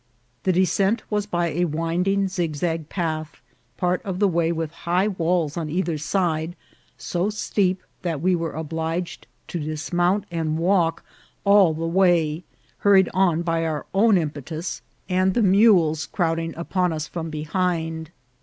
The descent was by a winding zigzag path, part of the way with high walls on either side, so steep that we were obliged to dismount and walk all the way, hurried on by our own impetus and the mules 168 INCIDENTS OF TRAVEL. crowding upon us from behind.